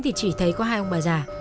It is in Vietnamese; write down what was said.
thì chỉ thấy có hai ông bà già